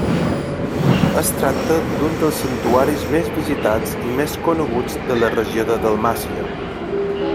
Es tracta d'un dels santuaris més visitats i més coneguts de la regió de Dalmàcia.